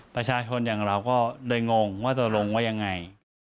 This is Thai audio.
ประชาชนอย่างเราก็เลยงงว่าตกลงว่ายังไง